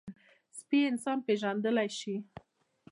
سپي انسان پېژندلی شي.